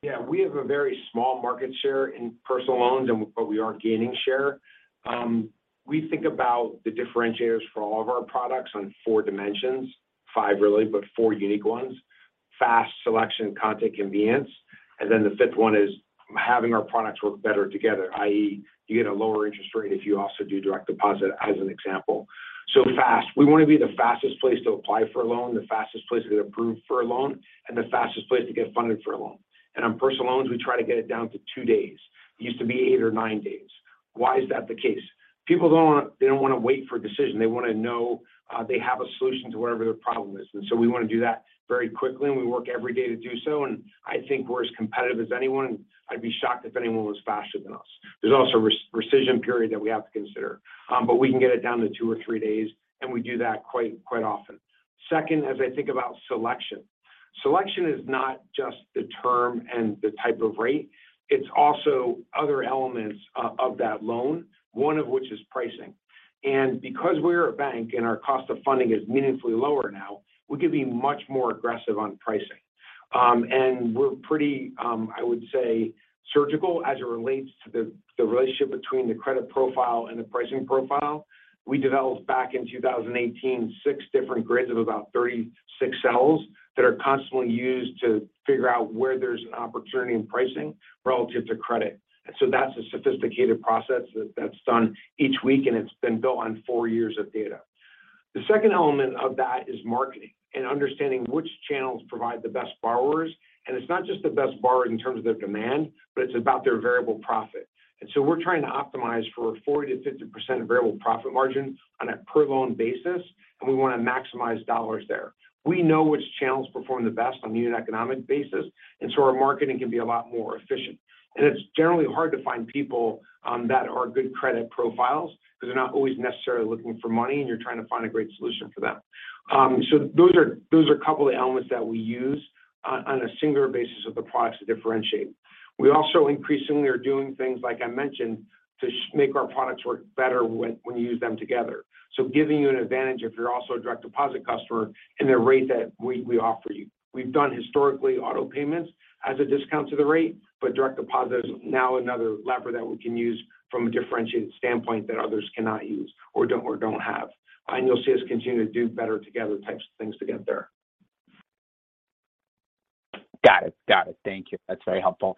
Yeah, we have a very small market share in personal loans, but we are gaining share. We think about the differentiators for all of our products on four dimensions. Five really, but four unique ones. Fast selection, content, convenience, and then the fifth one is having our products work better together, i.e. you get a lower interest rate if you also do direct deposit as an example. Fast, we want to be the fastest place to apply for a loan, the fastest place to get approved for a loan, and the fastest place to get funded for a loan. On personal loans, we try to get it down to two days. It used to be eight or nine days. Why is that the case? People don't want to wait for a decision. They want to know they have a solution to whatever their problem is. We want to do that very quickly, and we work every day to do so. I think we're as competitive as anyone. I'd be shocked if anyone was faster than us. There's also rescission period that we have to consider. But we can get it down to two or three days, and we do that quite often. Second, as I think about selection. Selection is not just the term and the type of rate, it's also other elements of that loan, one of which is pricing. Because we're a bank and our cost of funding is meaningfully lower now, we can be much more aggressive on pricing. We're pretty, I would say surgical as it relates to the relationship between the credit profile and the pricing profile. We developed back in 2018 six different grids of about 36 cells that are constantly used to figure out where there's an opportunity in pricing relative to credit. That's a sophisticated process that's done each week, and it's been built on four years of data. The second element of that is marketing and understanding which channels provide the best borrowers. It's not just the best borrower in terms of their demand, but it's about their variable profit. We're trying to optimize for 40%-50% variable profit margin on a per loan basis, and we want to maximize dollars there. We know which channels perform the best on a unit economic basis, and so our marketing can be a lot more efficient. It's generally hard to find people that are good credit profiles because they're not always necessarily looking for money and you're trying to find a great solution for them. Those are a couple of the elements that we use on a single basis of the products to differentiate. We also increasingly are doing things, like I mentioned, to make our products work better when you use them together. Giving you an advantage if you're also a direct deposit customer in the rate that we offer you. We've done historically auto payments as a discount to the rate, but direct deposit is now another lever that we can use from a differentiated standpoint that others cannot use or don't have. You'll see us continue to do better together types of things to get there. Got it. Thank you. That's very helpful.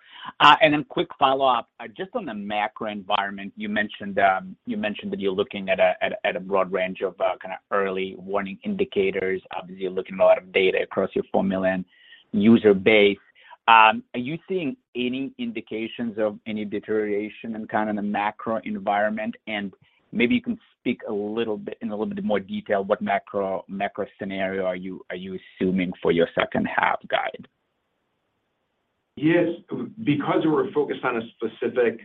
Quick follow-up, just on the macro environment. You mentioned that you're looking at a broad range of kind of early warning indicators. Obviously, you're looking at a lot of data across your 4 million user base. Are you seeing any indications of any deterioration in kind of the macro environment? Maybe you can speak a little bit in a little bit more detail what macro scenario are you assuming for your second half guide? Yes. Because we're focused on a specific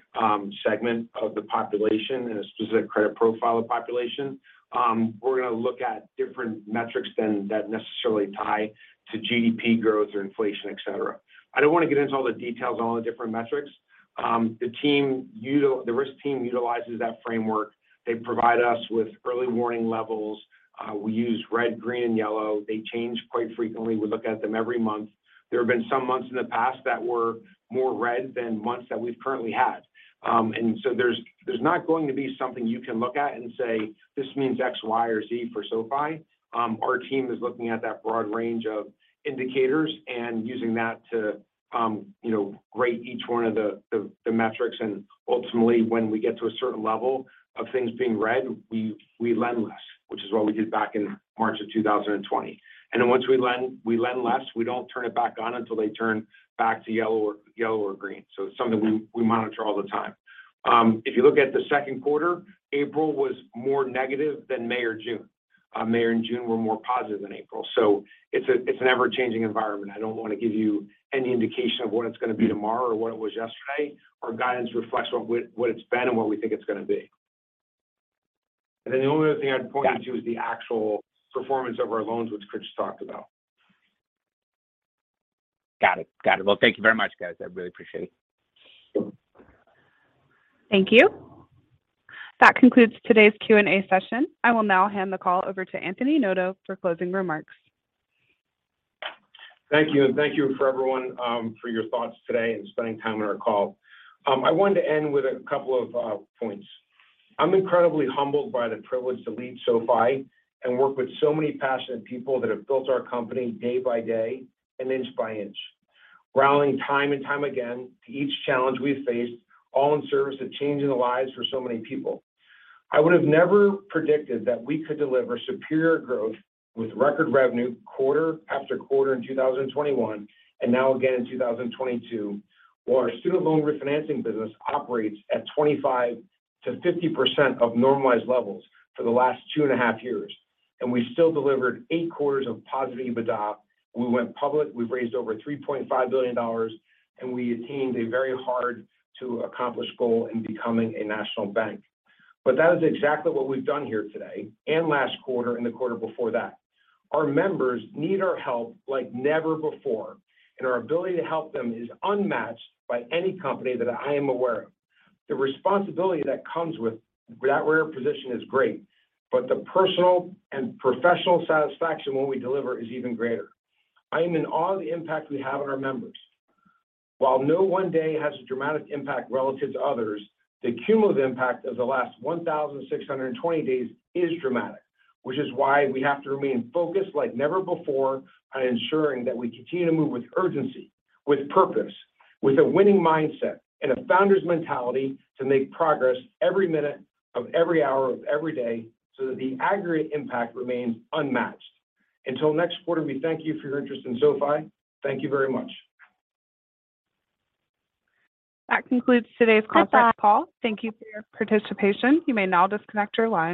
segment of the population and a specific credit profile of population, we're gonna look at different metrics than that necessarily tie to GDP growth or inflation, et cetera. I don't wanna get into all the details on all the different metrics. The risk team utilizes that framework. They provide us with early warning levels. We use red, green, and yellow. They change quite frequently. We look at them every month. There have been some months in the past that were more red than months that we've currently had. There's not going to be something you can look at and say, "This means X, Y, or Z for SoFi." Our team is looking at that broad range of indicators and using that to, you know, rate each one of the metrics. Ultimately, when we get to a certain level of things being red, we lend less, which is what we did back in March 2020. Then once we lend, we lend less, we don't turn it back on until they turn back to yellow or green. It's something. Mm-hmm. We monitor all the time. If you look at the second quarter, April was more negative than May or June. May and June were more positive than April. It's an ever-changing environment. I don't wanna give you any indication of what it's gonna be tomorrow or what it was yesterday. Our guidance reflects what it's been and what we think it's gonna be. Then the only other thing I'd point you to. Got it. Is the actual performance of our loans, which Chris just talked about. Got it. Got it. Well, thank you very much, guys. I really appreciate it. Thank you. That concludes today's Q&A session. I will now hand the call over to Anthony Noto for closing remarks. Thank you, and thank you for everyone for your thoughts today and spending time on our call. I wanted to end with a couple of points. I'm incredibly humbled by the privilege to lead SoFi and work with so many passionate people that have built our company day by day and inch by inch. Rallying time and time again to each challenge we have faced, all in service of changing the lives for so many people. I would have never predicted that we could deliver superior growth with record revenue quarter after quarter in 2021, and now again in 2022, while our student loan refinancing business operates at 25%-50% of normalized levels for the last 2.5 years. We still delivered eight quarters of positive EBITDA. We went public. We've raised over $3.5 billion, and we attained a very hard-to-accomplish goal in becoming a national bank. That is exactly what we've done here today and last quarter and the quarter before that. Our members need our help like never before, and our ability to help them is unmatched by any company that I am aware of. The responsibility that comes with that rare position is great, but the personal and professional satisfaction when we deliver is even greater. I am in awe of the impact we have on our members. While no one day has a dramatic impact relative to others, the cumulative impact of the last 1,620 days is dramatic, which is why we have to remain focused like never before on ensuring that we continue to move with urgency, with purpose, with a winning mindset, and a founder's mentality to make progress every minute of every hour of every day so that the aggregate impact remains unmatched. Until next quarter, we thank you for your interest in SoFi. Thank you very much. That concludes today's conference call. Thank you for your participation. You may now disconnect your line.